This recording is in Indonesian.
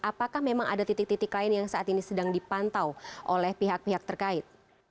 apakah memang ada titik titik lain yang saat ini sedang dipantau oleh pihak pihak terkait